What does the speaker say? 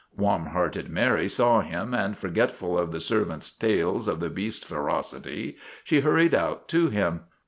Warm hearted Mary saw him, and, forgetful of the serv ants' tales of the beast's ferocity, she hurried out to him.